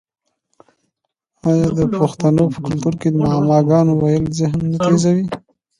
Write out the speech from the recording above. آیا د پښتنو په کلتور کې د معما ګانو ویل ذهن نه تیزوي؟